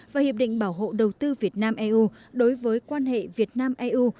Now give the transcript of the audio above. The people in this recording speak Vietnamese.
và hiệp định bảo hộ đầu tư việt nam eu đối với quan hệ việt nam eu